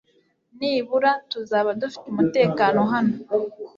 Nibura tuzaba dufite umutekano hano .